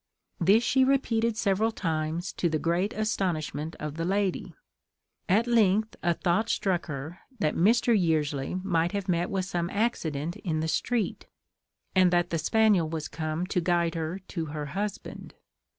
This she repeated several times, to the great astonishment of the lady. At length a thought struck her that Mr. Yearsley might have met with some accident in the street, and that the spaniel was come to guide her to her husband.